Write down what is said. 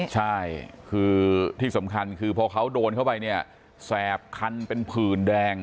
ใช่คือที่สำคัญคือพอเขาโดนเข้าไปเนี่ยแสบคันเป็นผื่นแดง